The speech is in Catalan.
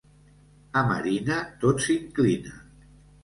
A Marina, tot s'inclina.